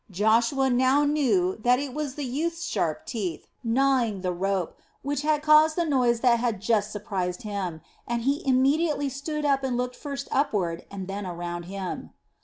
Joshua now knew that it was the youth's sharp teeth gnawing the rope which had caused the noise that had just surprised him, and he immediately stood up and looked first upward and then around him.